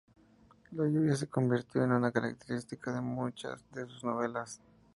La lluvia se convirtió en una característica de muchas de sus novelas.